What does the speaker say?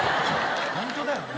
ホントだよね。